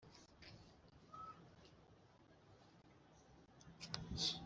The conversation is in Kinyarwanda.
abakiza imitego, akanababuza guhanuka.